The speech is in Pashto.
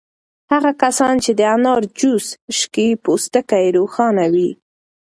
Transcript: هغه کسان چې د انار جوس څښي پوستکی یې روښانه وي.